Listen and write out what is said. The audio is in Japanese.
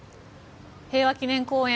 平和記念公園